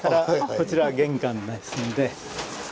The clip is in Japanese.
こちら玄関ですんで。